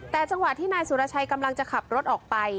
แต่จังหวะที่นายสุรชัยกำลังจะขับรถออกไป